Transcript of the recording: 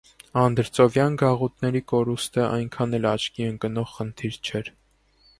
Անդրծովյան գաղութների կորուստը այդքան էլ աչքի ընկնող խնդիր չէր։